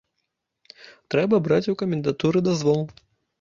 Трэба браць у камендатуры дазвол.